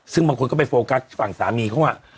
ซึ่งบางคนก็ไปโฟกัสฝั่งสามีเขาว่า